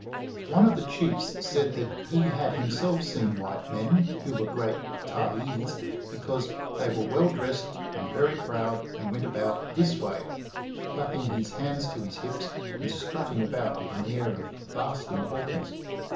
One of the chiefs said that he had himself seen white men, who were great 'tyees,' because 'they were well dressed and very proud and went about this way' clapping his hands to his hips and strutting about with an air of vast importance.